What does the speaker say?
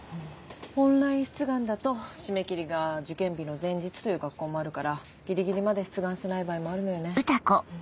オンライン出願だと締め切りが受験日の前日という学校もあるからギリギリまで出願してない場合もあるのよね。